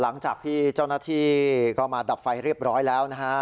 หลังจากที่เจ้าหน้าที่ก็มาดับไฟเรียบร้อยแล้วนะฮะ